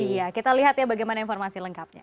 iya kita lihat ya bagaimana informasi lengkapnya